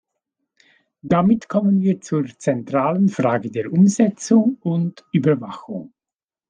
Damit kommen wir zur zentralen Frage der Umsetzung und Überwachung.